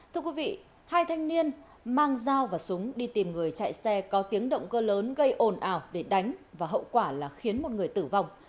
thưa quý vị hai thanh niên mang dao và súng đi tìm người chạy xe có tiếng động cơ lớn gây ồn ào để đánh và hậu quả là khiến một người tử vong